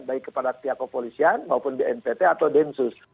baik kepada pihak kepolisian maupun bnpt atau densus